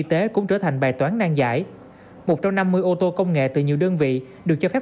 tế cũng trở thành bài toán nang giải một trong năm mươi ô tô công nghệ từ nhiều đơn vị được cho phép